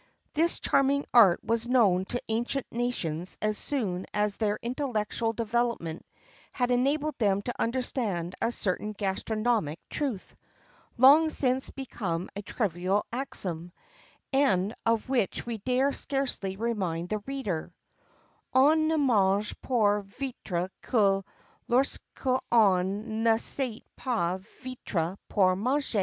This charming art was known to ancient nations as soon as their intellectual development had enabled them to understand a certain gastronomic truth, long since become a trivial axiom, and of which we dare scarcely remind the reader: "_On ne mange pour vivre que lorsqu'on ne sait pas vivre pour manger.